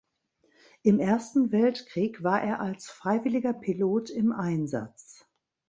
Im Ersten Weltkrieg war er als freiwilliger Pilot im Einsatz.